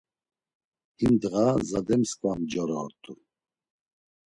Him ndğa zade msǩva mcora ort̆u.